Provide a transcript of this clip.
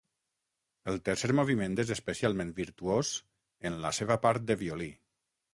El tercer moviment és especialment virtuós en la seva part de violí.